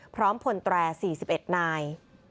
พร้อมพลแตร๔๑นาย